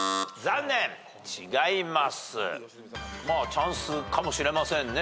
チャンスかもしれませんね。